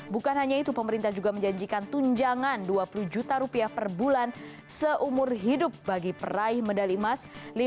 bukan hanya itu pemerintah juga menjanjikan tunjangan dua puluh juta rupiah per bulan seumur hidup bagi peraih medali emas